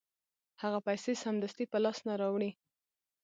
هغه پیسې سمدستي په لاس نه راوړي